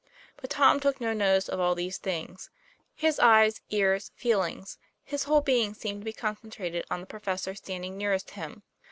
But Tom took no notice of all these things; his eyes, ears, feel ings his whole being seemed to be concentrated on the Professor standing nearest him.